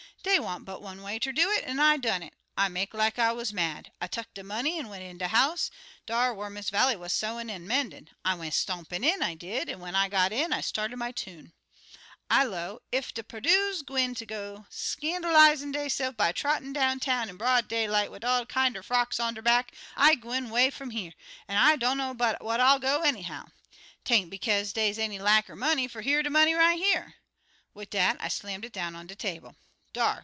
Dey wan't but one way ter do it, an' I done it. I make like I wuz mad. I tuck de money an' went in de house dar whar Miss Vallie wuz sewin' an' mendin'. I went stompin' in, I did, an' when I got in I started my tune. "I low, 'Ef de Perdues gwine ter go scandalizin' deyse'f by trottin' down town in broad daylight wid all kinder frocks on der back, I'm gwine 'way fum here; an' I dun'ner but what I'll go anyhow. 'Tain't bekaze dey's any lack er money, fer here de money right here.' Wid dat I slammed it down on de table. 'Dar!